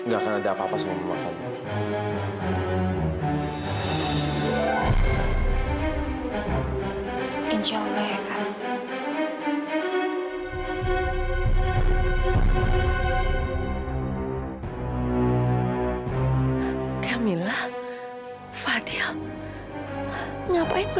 gak akan ada apa apa sama mama kamu